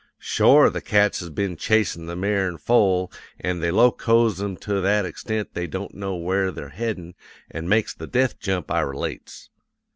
Shore, the cats has been chasin' the mare an' foal, an' they locoes 'em to that extent they don't know where they're headin' an' makes the death jump I relates.